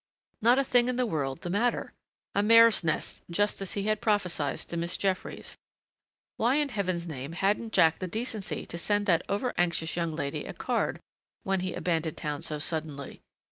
Not a thing in the world the matter! A mare's nest just as he had prophesied to Miss Jeffries. Why in heaven's name hadn't Jack the decency to send that over anxious young lady a card when he abandoned town so suddenly?...